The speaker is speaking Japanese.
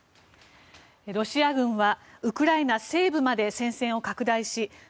ロシア軍はウクライナ西部まで戦線を拡大し